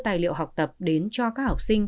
tài liệu học tập đến cho các học sinh